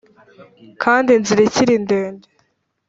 Kandi inzira ikiri ndende.